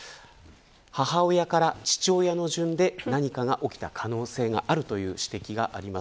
母親から父親の順で何かが起きた可能性があるという指摘があります。